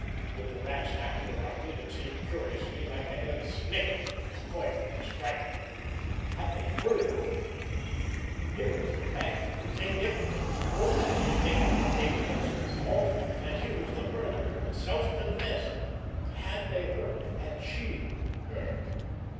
With the Rat's hand around it, it seemed curiously like the head of a snake that was coiled to strike. Had they heard out there? Here was the bag that contained everything, all that had been taken from David Ellsworth's vault, and here was the murderer, self confessed. Had they heard? Had she heard?